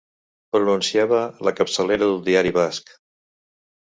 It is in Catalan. Pronunciava la capçalera d'un diari basc.